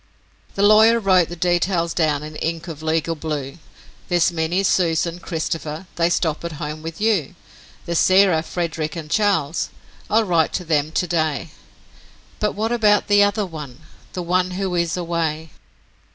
The lawyer wrote the details down in ink of legal blue 'There's Minnie, Susan, Christopher, they stop at home with you; There's Sarah, Frederick, and Charles, I'll write to them to day, But what about the other one the one who is away?